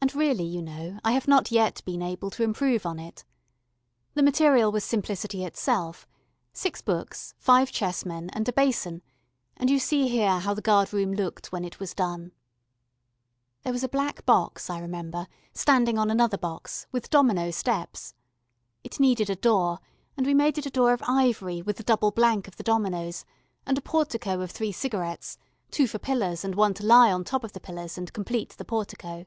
And really, you know, I have not yet been able to improve on it. The material was simplicity itself: six books, five chessmen, and a basin; and you see here how the guard room looked when it was done. [Illustration: THE GUARD ROOM.] [Illustration: THE DOMINO DOOR.] There was a black box, I remember, standing on another box, with domino steps. It needed a door, and we made it a door of ivory with the double blank of the dominoes, and a portico of three cigarettes two for pillars and one to lie on the top of the pillars and complete the portico.